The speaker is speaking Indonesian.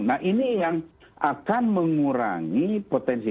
nah ini yang akan mengurangi potensi